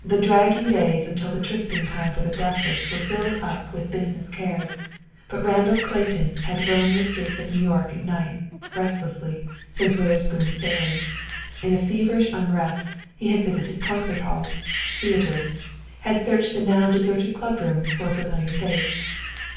The dragging days until the trysting time for the breakfast were filled up with business cares, but Randall Clayton had roamed the streets of New York at night, restlessly, since Witherspoon's sailing. In a feverish unrest, he had visited concert halls, theaters, and searched the now deserted club rooms for a familiar face.